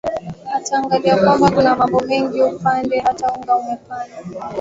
ataangalia kwamba kuna mambo mengi upande hata unga umepanda